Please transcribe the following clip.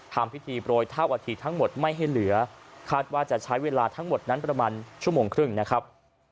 ทำพิธีโปรยเท่าอาทิตทั้งหมดไม่ให้เหลือคาดว่าจะใช้เวลาทั้งหมดนั้นประมาณชั่วโมงครึ่งนะครับ